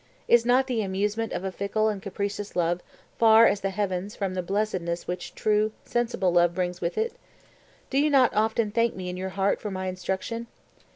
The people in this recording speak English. Is not the amusement of a fickle and capricious love far as the heavens from the blessedness which true, sensible love brings with it? Do you not often thank me in your heart for my instruction?